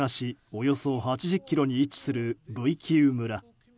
およそ８０ｋｍに位置するブイキウ村。